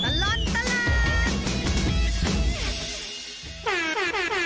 ยวดตะลัดตะลัด